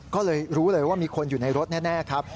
ก็เลยรู้เลยว่ามีคนอยู่ในรถแน่ครับ